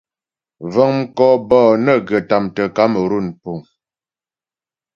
Vəŋ mkɔ bɔ'ɔ nə́ghə tâmtə Kamerun puŋ.